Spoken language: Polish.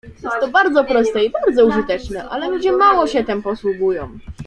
"Jest to bardzo proste i bardzo użyteczne, ale ludzie mało się tem posługują."